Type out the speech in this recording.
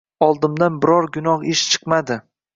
Oldimdan biror gunoh ish chiqmadi.